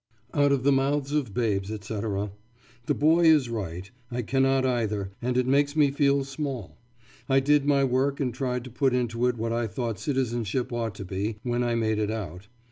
Out of the mouth of babes, etc. The boy is right. I cannot either, and it makes me feel small. I did my work and tried to put into it what I thought citizenship ought to be, when I made it out.